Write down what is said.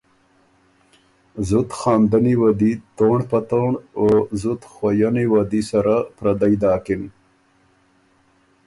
زُت خاندنی وه دی تونړ په تونړ، او زُت خؤئنی وه دی سره پردئ داکِن،